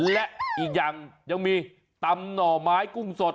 และอีกอย่างยังมีตำหน่อไม้กุ้งสด